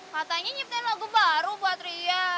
katanya nyiapin lagu baru buat ria